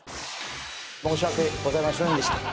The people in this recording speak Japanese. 申し訳ございませんでした。